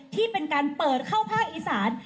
ที่เป็นการเปิดเข้าภาคอีสาน